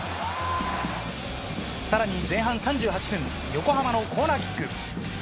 更に前半３８分横浜のコーナーキック。